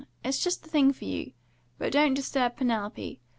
It is just the thing for you! But don't disturb Penelope.